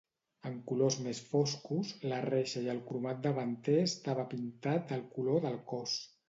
En colors més foscos, la reixa i el cromat davanter estava pintat del color del cos.